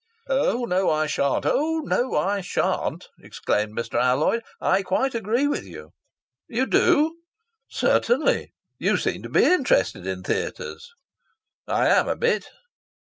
"Oh, no, I shan't! Oh, no, I shan't!" exclaimed Mr. Alloyd. "I quite agree with you!" "You do?" "Certainly. You seem to be interested in theatres?" "I am a bit."